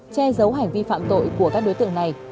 che giấu hành vi phạm tội của các đối tượng này